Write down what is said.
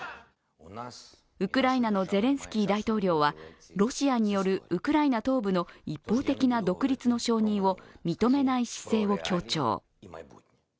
ウクライナのゼレンスキー大統領はロシアによるウクライナ東部の一方的な独立の承認を認めない姿勢を強調。